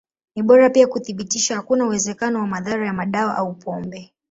Ni bora pia kuthibitisha hakuna uwezekano wa madhara ya madawa au pombe.